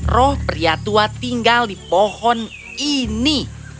roh pria tua tinggal di pohon ini